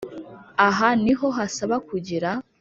Aha ni ho hasaba kugira